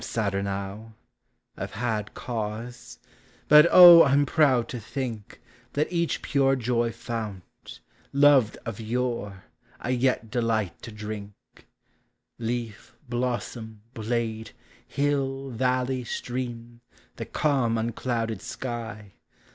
^ 7 ' 1 99 I 'in sadder now, — I have had cause ; but 0, I 'm proud to think That each pure joy fount, loved of vore, I yet delight to drink; — Leaf, blossom, blade, hill, valley, stream, the calm, unclouded sky.